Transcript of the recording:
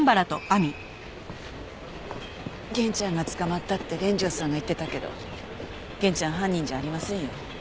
源ちゃんが捕まったって連城さんが言ってたけど源ちゃん犯人じゃありませんよ。